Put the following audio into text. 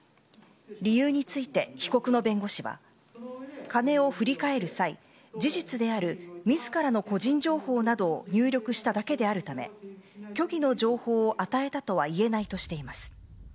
理由について、被告の弁護士は金を振り替える際、事実である自らの個人情報などを入力しただけであるため虚偽の情報を与えたとは言えないとしています。